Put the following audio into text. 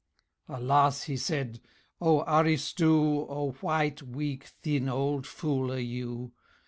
"Alas," he said, "O Aristu, A white weak thin old fool are you.